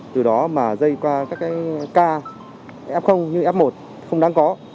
từ đó mà dây qua các cái k f như f một không đáng có